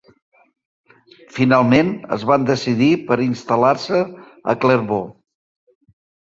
Finalment, es van decidir per instal·lar-se a Clervaux.